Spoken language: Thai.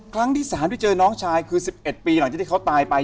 ครั้งที่๓ที่เจอน้องชายคือ๑๑ปีหลังจากที่เขาตายไป